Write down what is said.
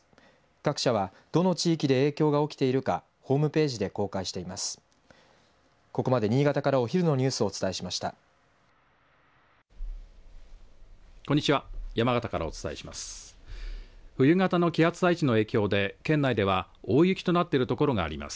各社はどの地域で影響が起きているかホームページで公開しています。